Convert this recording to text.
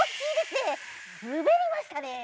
すべりましたね！